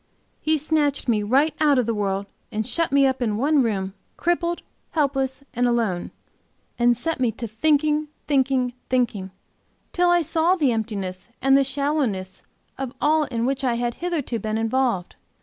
He snatched me right out of the world and shut me up in one room, crippled, helpless, and alone, and set me to thinking, thinking, thinking, till I saw the emptiness and shallowness of all in which I had hitherto been involved.